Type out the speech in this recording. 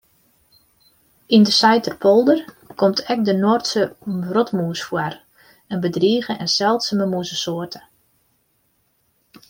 Yn de Saiterpolder komt ek de Noardske wrotmûs foar, in bedrige en seldsume mûzesoarte.